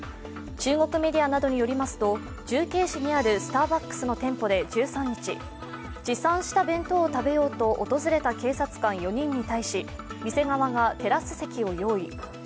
中国メディアなどによりますと重慶市にあるスターバックスの店舗で１３日、持参した弁当を食べようと訪れた警察官４人に対し店側がテラス席を用意。